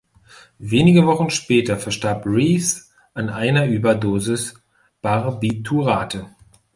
Wenige Wochen später verstarb Reeves an einer Überdosis Barbiturate.